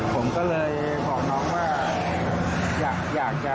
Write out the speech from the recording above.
ผมก็เลยบอกน้องว่า